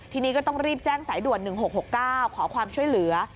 ทีนี้ก็ต้องรีบแจ้งสายด่วน๑๖๖๙ขอความช่วยเหลือ